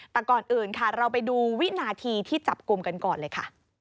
แต่ก่อนอื่นค่ะเราไปดูวินาทีที่จับกลุ่มกันก่อนเลยค่ะ